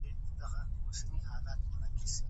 زه کولای سم ښوونځی ته لاړ شم!.